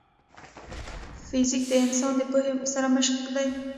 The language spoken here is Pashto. فزیک د انسان د پوهې سرمشق دی.